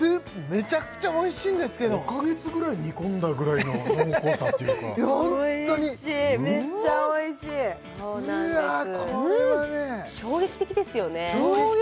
めちゃくちゃおいしいんですけど５か月ぐらい煮込んだぐらいの濃厚さっていうかおいしいめっちゃおいしいそうなんです衝撃的ですよね衝撃！